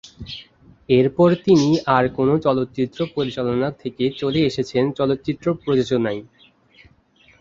এরপর তিনি আর কোনো চলচ্চিত্র পরিচালনা থেকে চলে এসেছেন চলচ্চিত্র প্রযোজনায়।